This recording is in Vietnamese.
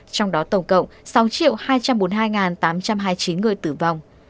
trong đó tổng cộng sáu hai trăm bốn mươi hai tám trăm hai mươi chín người tử vong